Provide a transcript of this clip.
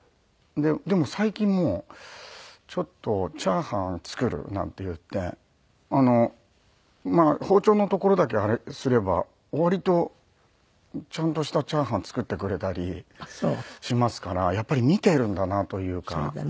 でも最近もう「ちょっとチャーハン作る」なんて言ってまあ包丁のところだけあれすれば割とちゃんとしたチャーハン作ってくれたりしますからやっぱり見ているんだなというか。